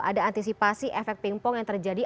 ada antisipasi efek pingpong yang terjadi